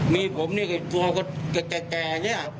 มีผมเนี่ยตัวแก่